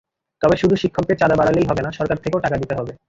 তবে শুধু শিক্ষকদের চাঁদা বাড়ালেই হবে না, সরকার থেকেও টাকা দিতে হবে।